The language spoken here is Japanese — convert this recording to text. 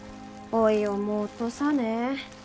おい思うとさね